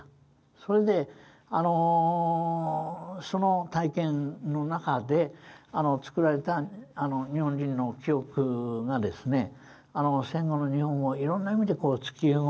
それであのその体験の中でつくられた日本人の記憶が戦後の日本をいろんな意味で突き動かしてきた。